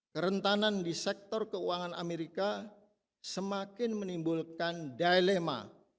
kerentanan di sektor keuangan amerika semakin menimbulkan dilema